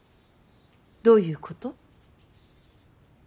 どういうこと。